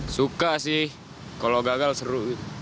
suka sih kalau gagal seru